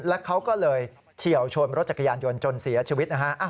แล้วเขาก็เลยเฉียวชนรถจักรยานยนต์จนเสียชีวิตนะฮะ